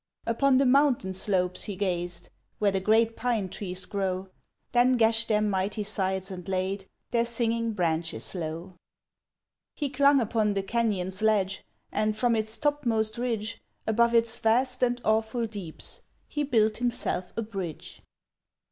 Upon the mountain slopes he gazed, Where the great pine trees grow, Then gashed their mighty sides and laid Their singing branches low. He clung upon the canyon's ledge And from its topmost ridge, Above its vast and awful deeps, He built himself a bridge.